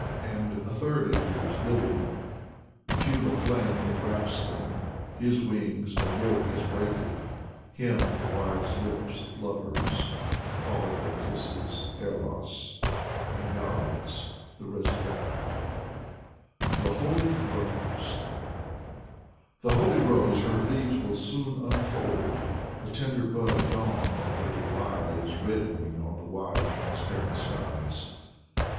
And a third enters, living, The funeral flame that wraps them; His wings a yoke has weighted : Him the wise lips of lovers Call in their kisses, Eros, And gods: the Resurrector. io6 Vyacheslav Ivanov THE HOLY ROSE The bbly Rose her leaves will soon unfold. The tender bud of dawn already lies Reddening on the wide, transparent skies.